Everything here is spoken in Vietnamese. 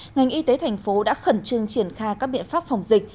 ngành y tế thành phố đã khẩn trương triển khai các biện pháp phòng dịch